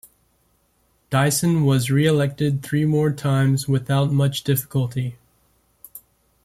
Dyson was reelected three more times without much difficulty.